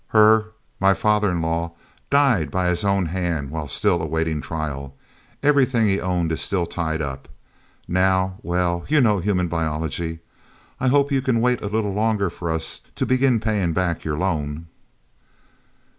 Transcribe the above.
Her my father in law, died by his own hand while still awaiting trial... Everything he owned is still tied up... Now, well you know human biology... I hope you can wait a little longer for us to begin paying back your loan..."